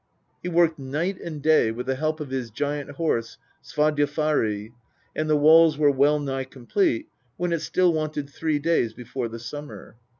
He worked night and day with the help of his giant horse Svadilfari, and the walls were well nigu complete when it still wanted three days before the summer.